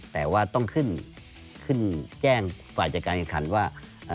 แต่ว่าต้องขึ้นขึ้นแจ้งฝ่ายจัดการแข่งขันว่า